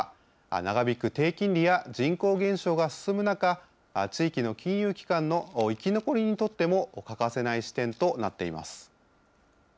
長引く低金利や人口減少が進む中、地域の金融機関の生き残りにとっても、欠かせない視点となっています。